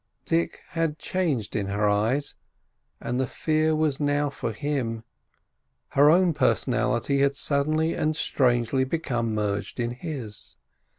Dick had changed in her eyes, and the fear was now for him. Her own personality had suddenly and strangely become merged in his.